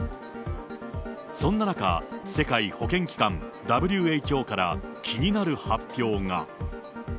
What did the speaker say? そんな中、世界保健機関・ＷＨＯから気になる発表が。